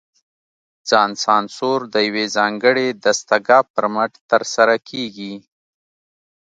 ځان سانسور د یوې ځانګړې دستګاه پر مټ ترسره کېږي.